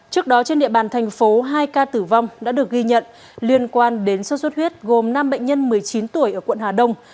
trước đó trên địa bàn thành phố hai ca tử vong đã được ghi nhận liên quan đến sốt xuất huyết gồm năm bệnh nhân một mươi chín tuổi ở quận hà đông